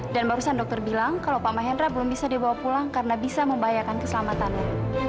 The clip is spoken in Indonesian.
dan barusan dokter bilang kalau pak mahendra belum bisa dibawa pulang karena bisa membahayakan keselamatanmu